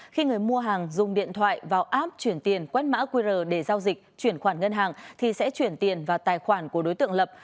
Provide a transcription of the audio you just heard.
khi người mua hàng dùng điện thoại vào app chuyển tiền quét mã qr để giao dịch chuyển khoản ngân hàng thì sẽ chuyển tiền vào tài khoản của đối tượng lập